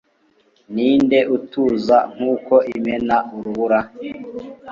Ninde utuza nkuko imena urubura